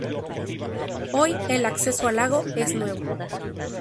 Hoy el acceso al lago es nuevo.